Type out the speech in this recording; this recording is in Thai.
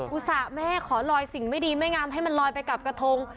อุศะแม่ขอเลยนลอยสิ่งไม่ดีไม่งามให้ใกล้กระทง